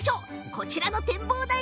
こちらの展望台。